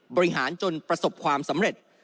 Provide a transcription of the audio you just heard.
บริหารจนประสบความสำเร็จ